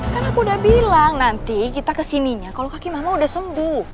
kan aku udah bilang nanti kita kesininya kalau kaki mama udah sembuh